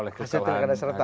hasil tkd serta